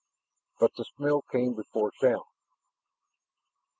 But smell came before sound.